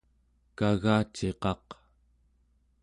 kagaciqaq